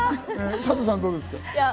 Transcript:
サトさん、どうですか？